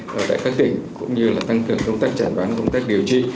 với các tỉnh cũng như là tăng cường công tác chẳng đoán công tác điều trị